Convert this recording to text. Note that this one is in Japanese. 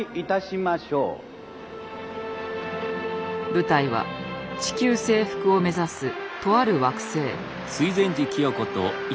舞台は地球征服を目指すとある惑星。